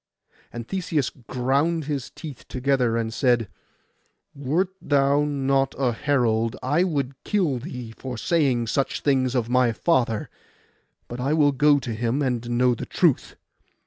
And Theseus ground his teeth together, and said, 'Wert thou not a herald I would kill thee for saying such things of my father; but I will go to him, and know the truth.